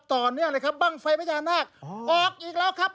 ต่อเนื่องเลยครับบ้างไฟพญานาคออกอีกแล้วครับ